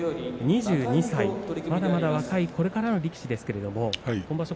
２２歳、まだまだ若いこれからの力士ですけれど今場所